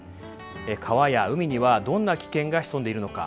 川や海にはどんな危険が潜んでいるのか。